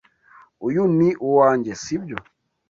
Uyu ni uwanjye, si byo?